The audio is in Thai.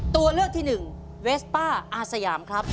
ตัวเลือกที่หนึ่งเวสป้าอาสยามครับ